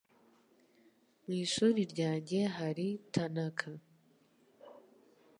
Mu ishuri ryanjye hari Tanaka.